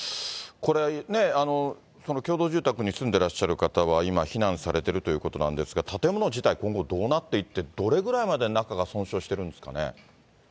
これね、その共同住宅に住んでいらっしゃる方は、今、避難されてるということなんですが、建物自体、今後、どうなっていって、どれぐらいまで中が損傷してるんですかね。